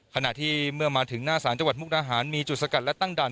ขณะที่เมื่อมาถึงหน้าศาลจังหวัดมุกดาหารมีจุดสกัดและตั้งด่าน